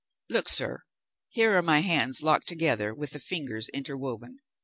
Look, sir, here are my hands locked together with the fingers interwoven.